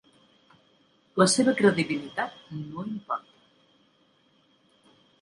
La seva credibilitat no importa.